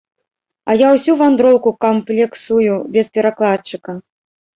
А я ўсю вандроўку камплексую без перакладчыка.